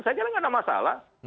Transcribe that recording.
saya jelas tidak ada masalah